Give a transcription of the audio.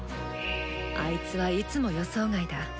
あいつはいつも予想外だ。